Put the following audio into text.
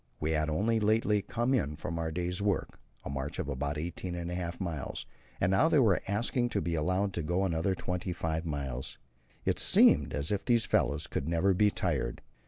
We had only lately come in from our day's work a march of about eighteen and a half miles and now they were asking to be allowed to go on another twenty five miles. It seemed as if these fellows could never be tired.